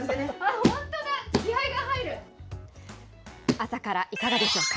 朝からいかがでしょうか。